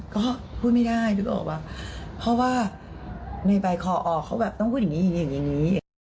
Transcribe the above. ก็พูดไม่ได้เพราะว่าในใบคออเขาต้องพูดอย่างนี้อย่างนี้